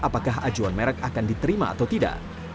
apakah ajuan merek akan diterima atau tidak